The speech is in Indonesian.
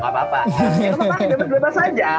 gak apa apa bebas aja